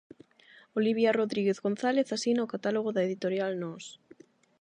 Olivia Rodríguez González asina "O catálogo da editorial Nós".